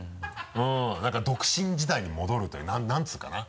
何か独身時代に戻るというか何ていうかな。